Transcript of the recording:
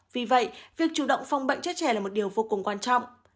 vì vậy việc chủ động phòng bệnh chết trẻ là một điều vô cùng quan trọng